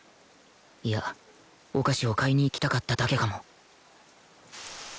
いやお菓子を買いに行きたかっただけかも